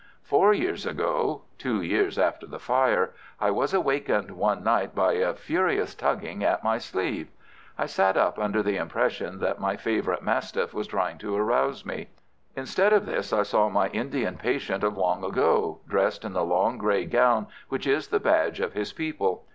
"Four years ago—two years after the fire—I was awakened one night by a furious tugging at my sleeve. I sat up under the impression that my favourite mastiff was trying to arouse me. Instead of this, I saw my Indian patient of long ago, dressed in the long grey gown which was the badge of his people.